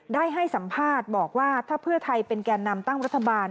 ได้ให้สัมภาษณ์บอกว่าถ้าเพื่อไทยเป็นแก่นำตั้งรัฐบาล